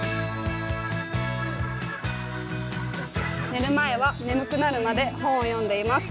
寝る前は眠くなるまで本を読んでいます。